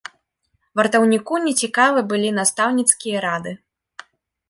Вартаўніку не цікавы былі настаўніцкія рады.